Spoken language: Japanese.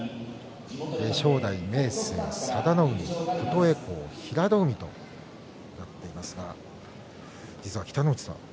正代、明生、佐田の海、琴恵光、平戸海となっていますが実は北の富士さん